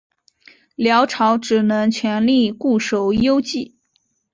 辽朝只能全力固守幽蓟。